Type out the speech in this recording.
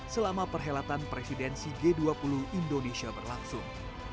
selama perhelatan presidensi g dua puluh indonesia berlangsung